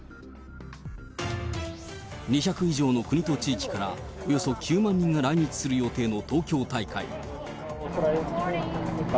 ２００以上の国と地域からおよそ９万人が来日する予定の東京大会。